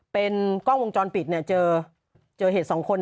เป็นกล้องวงจรปิดเจอเหตุสองคน